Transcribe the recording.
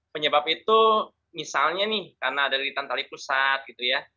penyebab itu misalnya nih karena ada lilitan tali pusat gitu ya